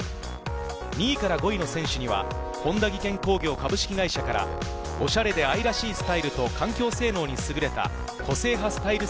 ２位から５位の選手には本田技研工業株式会社からオシャレで愛らしいスタイルと環境性能にすぐれた個性派スタイル